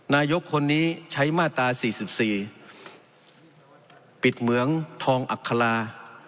นายกคนนี้ใช้มาตรา๔๔ปิดเหมืองทองอัครา